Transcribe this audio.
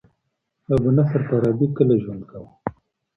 ابونصر فارابي کله ژوند کاوه؟